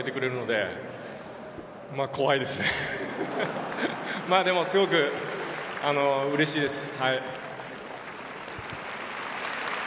でもすごくうれしいです。